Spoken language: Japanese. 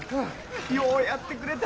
ようやってくれた！